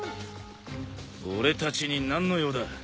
俺たちに何の用だ？